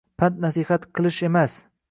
Pand-nasihat qilish emas.